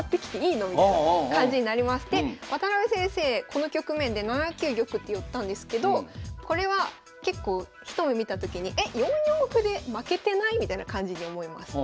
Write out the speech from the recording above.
この局面で７九玉って寄ったんですけどこれは結構一目見た時にえっ４四歩で負けてない？みたいな感じに思います。